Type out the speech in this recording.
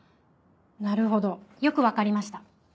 なるほどよく分かりました。